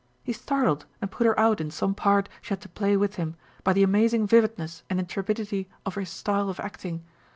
He startled and put her out in some part she had to play with him, by the amazing vividness and intrepidity of his style of acting.